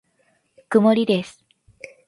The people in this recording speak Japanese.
曇りです。